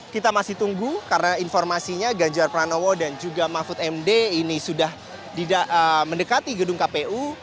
kita masih tunggu karena informasinya ganjar pranowo dan juga mahfud md ini sudah mendekati gedung kpu